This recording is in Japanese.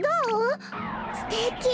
すてき！